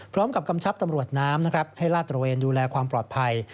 พร้อมกับกำชับตำรวจน้ำให้ลาดตัวเองดูแลความปลอดภัย